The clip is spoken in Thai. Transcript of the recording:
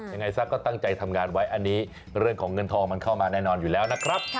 ยังไงซะก็ตั้งใจทำงานไว้อันนี้เรื่องของเงินทองมันเข้ามาแน่นอนอยู่แล้วนะครับ